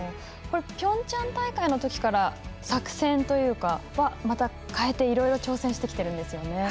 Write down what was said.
ピョンチャン大会のときから作戦というのは変えていろいろ挑戦してきてるんですよね。